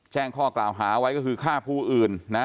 แจ้งข้อกล่าวหาไว้ก็คือฆ่าผู้อื่นนะ